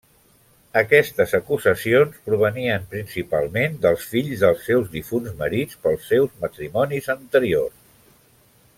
Aquestes acusacions provenien principalment dels fills dels seus difunts marits pels seus matrimonis anteriors.